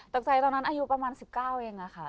ตกใจตอนนั้นอายุประมาณ๑๙อ่ะค่ะ